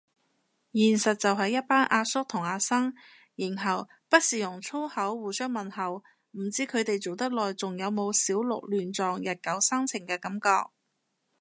現實就係一班阿叔同阿生，然後不時用粗口互相問候，唔知佢哋做得耐仲有冇小鹿亂撞日久生情嘅感覺